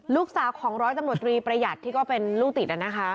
ลูกสาวของร้อยตำรวจตรีประหยัดที่ก็เป็นลูกติด